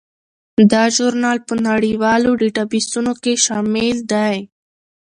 دا ژورنال په نړیوالو ډیټابیسونو کې شامل دی.